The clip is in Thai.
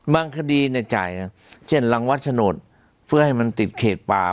คดีเนี่ยจ่ายเช่นรังวัดโฉนดเพื่อให้มันติดเขตป่า